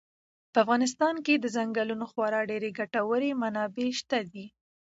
په افغانستان کې د ځنګلونو خورا ډېرې ګټورې منابع شته دي.